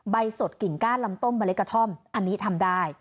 สดกิ่งก้านลำต้มเมล็ดกระท่อมอันนี้ทำได้